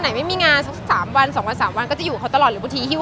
ถ้าไม่มีงานสองวันสามวันก็จะอยู่กับเขาตลอด